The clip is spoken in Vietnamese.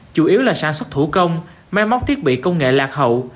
chủ yếu là sản xuất thủ công mang móc thiết bị công nghệ lạc hậu